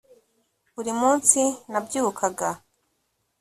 buri munsi nabyukaga